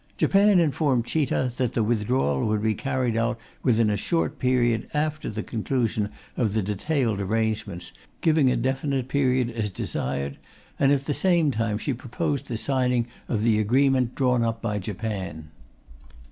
Japan informed Chita that the withdrawal would be carried out within a short period after the conclusion of the detailed arrangements, giving a definite period as desired, and at the same time she proposed the signing of the agreement drawn up by Japan.